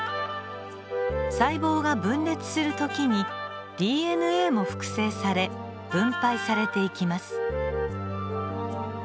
細胞が分裂する時にＤＮＡも複製され分配されていきます。